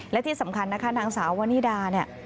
และที่สำคัญนะคะนางสาววนิดาเนี่ย